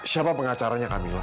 siapa pengacaranya camilla